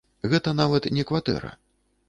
Гэта нават не кватэра.